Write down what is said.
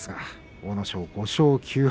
阿武咲５勝９敗